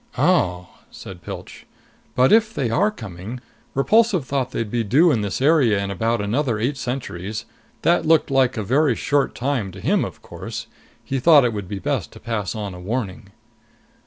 "Oh!" said Pilch. "But if they are coming, Repulsive thought they'd be due in this area in about another eight centuries. That looked like a very short time to him, of course. He thought it would be best to pass on a warning."